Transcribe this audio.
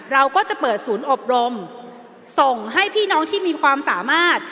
เราก็จะเปิดศูนย์อบรมส่งให้พี่น้องที่มีความสามารถ